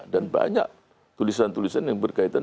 dan banyak tulisan tulisan yang berkaitan